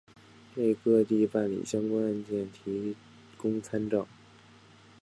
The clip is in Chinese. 为各地办理相关案件提供参照